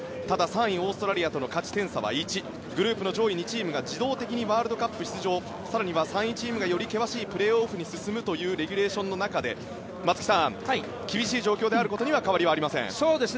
ただ、３位のオーストラリアとの勝ち点差は１グループ上位２チームが自動的にワールドカップ出場更には、３位チームがより険しいプレーオフに進むというレギュレーションの中で松木さん厳しい状況であることには変わりありません。